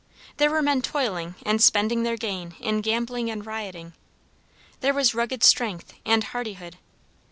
There were men toiling and spending their gain in gambling and rioting. There was rugged strength and hardihood.